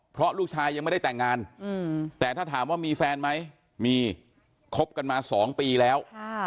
เพราะลูกชายยังไม่ได้แต่งงานแต่ถ้าถามว่ามีแฟนไหมมีคบกันมา๒ปีแล้ว